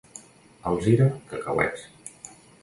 A Alzira, cacauets.